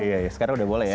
iya sekarang udah boleh ya